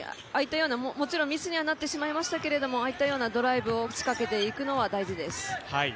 もちろんミスにはなってしまいましたけど、ああいったようなドライブを仕掛けていくことは大事です。